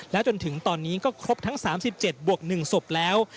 จนถึงตอนนี้ก็ครบทั้ง๓๗บวก๑ศพแล้ว